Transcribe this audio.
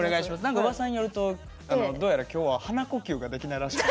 うわさによると、どうやら今日は鼻呼吸ができないらしくて。